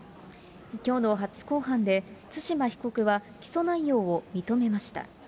きょうの初公判で、対馬被告は起訴内容を認めました。